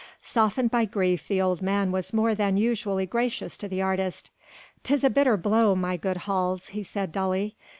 Softened by grief the old man was more than usually gracious to the artist. "'Tis a bitter blow, my good Hals," he said dully.